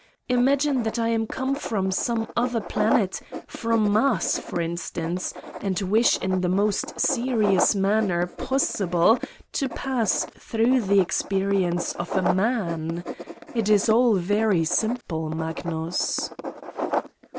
Imagine that I am come from some other planet, from Mars, for instance, and wish in the most serious manner pos sible, to pass through the experience of a man: ... It is all very simple, Magnus!"